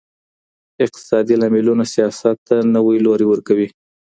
اقتصادي لاملونه سياست ته نوی لوری ورکوي.